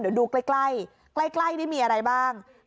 เดี๋ยวดูใกล้ใกล้นี่มีอะไรบ้าง